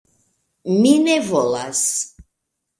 Mi ne volas.